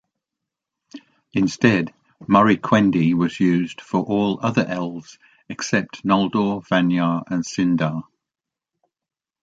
Instead, "Moriquendi" was used for all other elves except Noldor, Vanyar, and Sindar.